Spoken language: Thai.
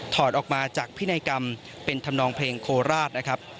ถอดออกมาจากพินัยกรรมเป็นธรรมนองเพลงโคราชนะครับ